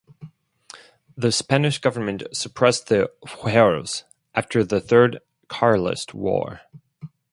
The Spanish government suppressed the "fueros" after the Third Carlist War.